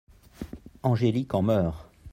Angélique en meurt.